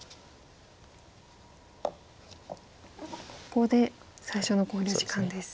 ここで最初の考慮時間です。